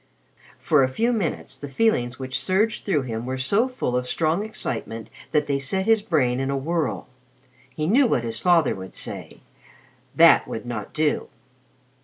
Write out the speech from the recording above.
For a few minutes the feelings which surged through him were so full of strong excitement that they set his brain in a whirl. He knew what his father would say that would not do.